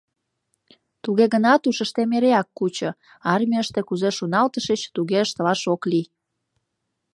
Туге гынат ушыштет эреак кучо: армийыште кузе шоналтышыч — туге ыштылаш ок лий.